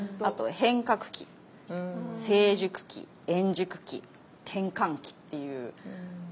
あと「変革期」「成熟期」「円熟期」「転換期」っていう。